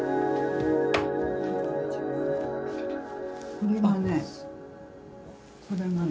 これがねこれがね